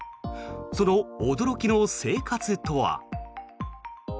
その驚きの生活とは。